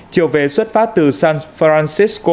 chiều về xuất phát từ san francisco